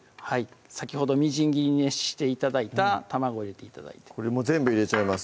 先ほどみじん切りにして頂いた卵入れて頂いてこれもう全部入れちゃいます